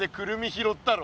拾ったろ。